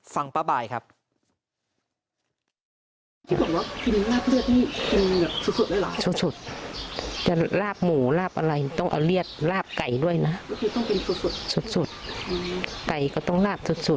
ฟังป้าบ่ายครับ